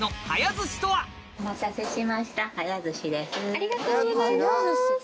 ありがとうございます！